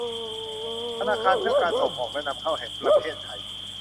ธนาคารเพื่อการส่งออกและนำเข้าแห่งประเทศไทย